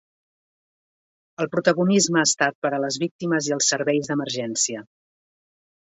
El protagonisme ha estat per a les víctimes i els serveis d’emergència.